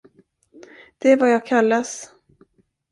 Det är vad jag kallas.